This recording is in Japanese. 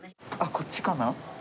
こっちかな？